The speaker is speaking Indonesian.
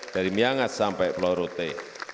dari miangas sampai florote